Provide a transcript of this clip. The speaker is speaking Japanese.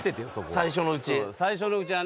最初のうち。